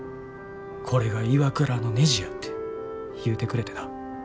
「これがＩＷＡＫＵＲＡのねじや」って言うてくれてな。